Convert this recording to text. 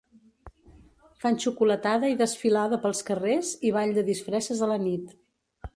Fan xocolatada i desfilada pels carrers i ball de disfresses a la nit.